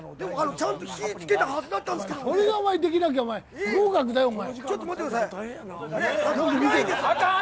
ちゃんと火を付けたはずだったんですけそれができなきゃ不合格だよお前。